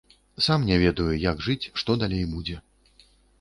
Сам не ведаю, як жыць, што далей будзе.